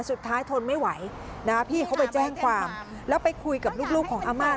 ทนไม่ไหวนะพี่เขาไปแจ้งความแล้วไปคุยกับลูกของอาม่า